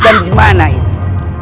dan dimana ini